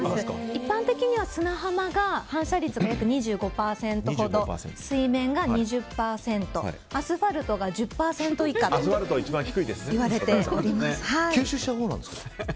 一般的には砂浜が反射率が約２５％ほど水面が２０％アスファルトが１０％以下といわれております。